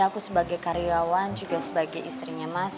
aku sebagai karyawan juga sebagai istrinya mas